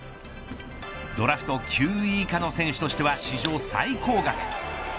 ドラフト９位以下の選手としては史上最高額。